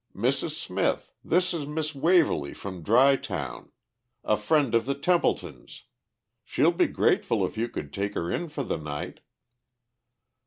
"Mrs. Smith, this is Miss Waverly from Dry Town. A friend of the Templetons. She'll be grateful if you could take her in for the night."